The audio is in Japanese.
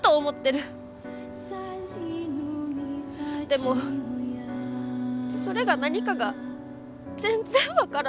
でもそれが何かが全然分からない。